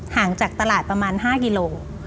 ห่างจากตลาดประมาณ๕กิโล